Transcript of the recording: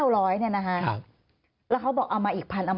แล้วเขาบอกเอามาอีกพัน